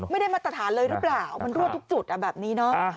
ไม่ได้มาตรฐานเลยหรือเปล่ามันรั่วทุกจุดแบบนี้เนอะ